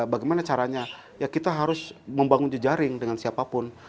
bagaimana caranya ya kita harus membangun jejaring dengan siapapun